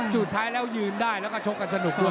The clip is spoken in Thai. สุดท้ายแล้วยืนได้แล้วก็ชกกันสนุกด้วย